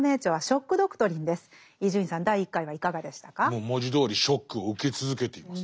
もう文字どおりショックを受け続けています。